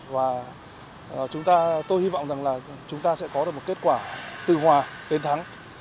và chúng tôi hy vọng rằng là chúng ta sẽ có được một kết quả từ hòa đến thắng